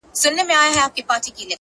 • او تاته زما د خپلولو په نيت.